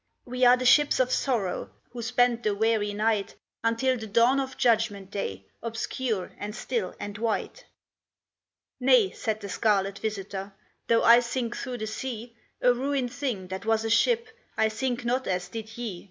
We are the ships of sorrow Who spend the weary night, Until the dawn of Judgment Day, Obscure and still and white." "Nay," said the scarlet visitor, "Though I sink through the sea, A ruined thing that was a ship, I sink not as did ye.